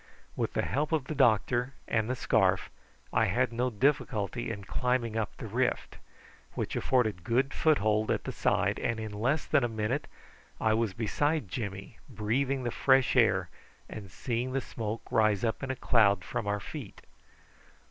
With the help of the doctor and the scarf I had no difficulty in climbing up the rift, which afforded good foothold at the side, and in less than a minute I was beside Jimmy, breathing the fresh air and seeing the smoke rise up in a cloud from our feet.